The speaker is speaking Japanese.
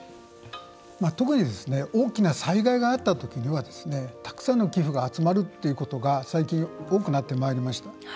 特に、大きな災害があった時にはたくさんの寄付が多く集まるということが最近多くなってきました。